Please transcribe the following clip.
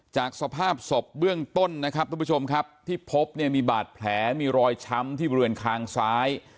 จากสภาพศพเบื้องต้นนะครับทุกผู้ชมครับที่พบเนี่ยมีบาดแผลมีรอยช้ำที่บริเวณคางซ้าย